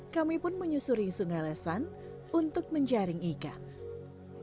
kami pun menyusuri sungai lesan untuk menjaring ikan